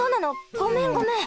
ごめんごめん。